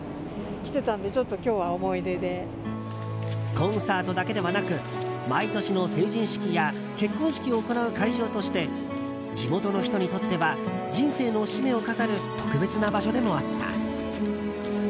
コンサートだけではなく毎年の成人式や結婚式を行う会場として地元の人にとっては人生の節目を飾る特別な場所でもあった。